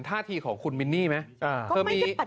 ท่าทีของคุณมินนี่ไหม